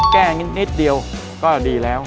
นิดเดียวก็ดีแล้ว